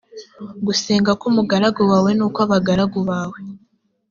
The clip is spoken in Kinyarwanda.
gusenga k umugaragu wawe n ukw abagaragu bawe